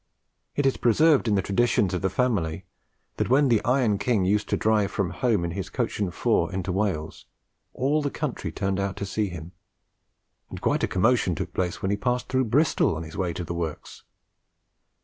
It is preserved in the traditions of the family that when the 'Iron King' used to drive from home in his coach and four into Wales, all the country turned out to see him, and quite a commotion took place when he passed through Bristol on his way to the works.